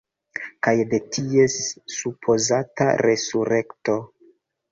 Kaj de ties supozata resurekto.